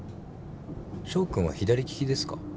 翔君は左利きですか？